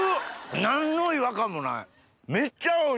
何の違和感もない